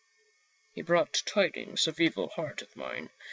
" He brought tidings of evil, heart of mine.